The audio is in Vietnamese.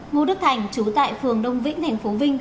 ngô đức thành chú tại phường đông vĩnh thành phố vinh